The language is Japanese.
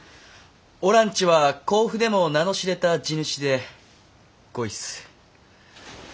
おらんちは甲府でも名の知れた地主でごいす。